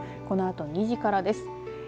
このあと２時からです。